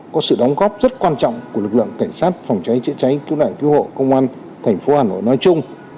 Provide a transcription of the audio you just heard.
có sự đóng góp rất quan trọng của lực lượng cảnh sát phòng cháy chữa cháy cứu nạn cứu hộ công an thành phố hà nội nói chung